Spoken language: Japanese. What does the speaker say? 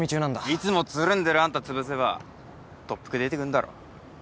いつもつるんでるあんたつぶせば特服出てくんだろ？